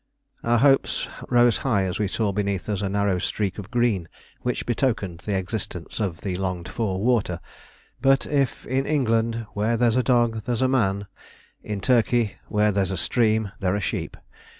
Our hopes rose high as we saw beneath us a narrow streak of green which betokened the existence of the longed for water; but if, in England, where there's a dog there's a man, in Turkey where there's a stream there are sheep.